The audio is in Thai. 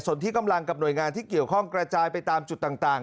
ส่วนที่กำลังกับหน่วยงานที่เกี่ยวข้องกระจายไปตามจุดต่าง